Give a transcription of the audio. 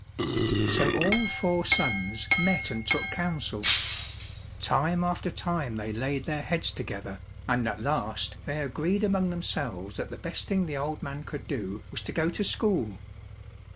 So all four sons met and took counsel. Time after time they laid their heads together, and at last they 220 THE UNGRATEFUL CHILDREN agreed among themselves that the best thing the old man could do was to go to school.